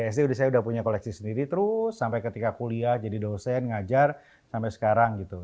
sd saya udah punya koleksi sendiri terus sampai ketika kuliah jadi dosen ngajar sampai sekarang gitu